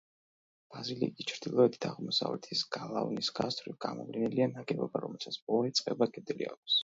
ბაზილიკის ჩრდილოეთით, აღმოსავლეთის გალავნის გასწვრივ გამოვლენილია ნაგებობა, რომელსაც ორი წყება კედელი აქვს.